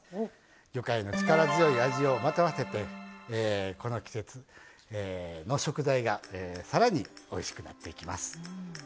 魚介の力強い味をまとわせてこの季節の食材がさらにおいしくなっていきます。